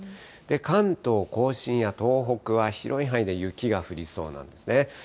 関東甲信や東北は、広い範囲で雪が降りそうなんですね。